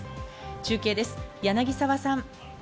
中継です、柳沢さん。